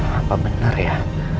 apa bener ya